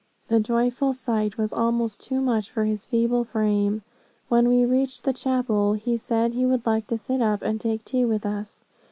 The joyful sight was almost too much for his feeble frame. When we reached the chapel, he said he would like to sit up and take tea with us.